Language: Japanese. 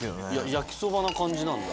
焼そばな感じなんだ。